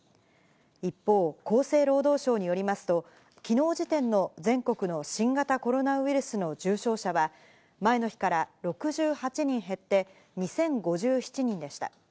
一方、厚生労働省によりますと、きのう時点の全国の新型コロナウイルスの重症者は、前の日から６８人減って２０５７人でした。